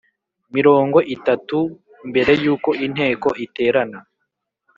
mirongo itatu mbere yuko inteko iterana